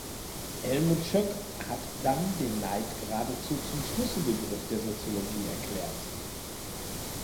Helmut Schoeck hat dann den Neid geradezu zum Schlüsselbegriff der Soziologie erklärt.